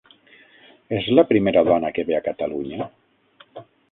És la primera dona que ve a Catalunya?